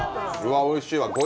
うわー、おいしいわ。